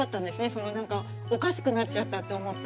その何かおかしくなっちゃったって思ったんで。